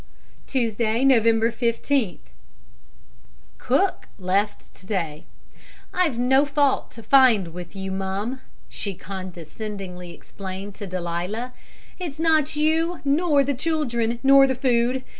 "Tuesday, November 15th. Cook left to day. 'I've no fault to find with you, mum,' she condescendingly explained to Delia. 'It's not you, nor the children, nor the food.